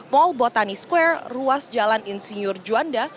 mall botani square ruas jalan insinyur juanda